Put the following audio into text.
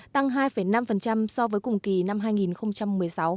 tăng hai năm so với cùng kỳ năm hai nghìn một mươi sáu